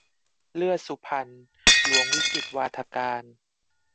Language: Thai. เลือดสุพรรณ - หลวงวิจิตรวาทการ